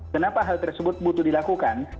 kenapa hal tersebut butuh dilakukan